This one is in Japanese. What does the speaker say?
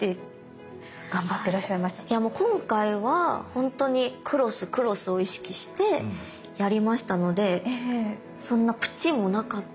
いやもう今回は本当にクロスクロスを意識してやりましたのでそんなプッチンもなかったし。